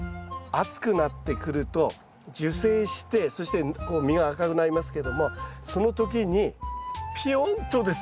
暑くなってくると受精してそして実が赤くなりますけどもその時にぴよんとですね